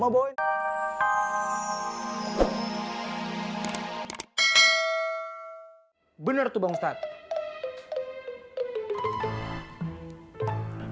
bener tuh bang ustadz